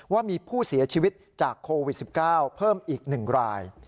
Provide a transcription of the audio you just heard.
ว่ามีผู้เสียชีวิตจากโควิด๑๙เพิ่มอีก๑ราย